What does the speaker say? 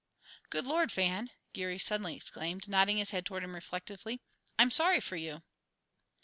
"Good Lord, Van!" Geary suddenly exclaimed, nodding his head toward him reflectively, "I'm sorry for you!"